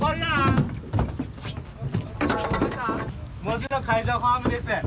門司の海上保安部です。